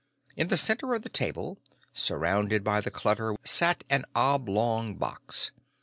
In the center of the table, surrounded by the clutter, sat an oblong box.